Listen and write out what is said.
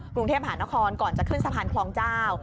กรุงเทพหานครก่อนจะขึ้นสะพานคลองเจ้า